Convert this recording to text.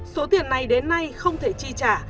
số tiền này đến nay không thể chi trả